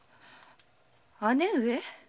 姉上？